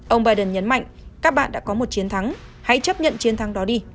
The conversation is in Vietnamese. ông biden nhấn mạnh các bạn đã có một chiến thắng hãy chấp nhận chiến thắng đó đi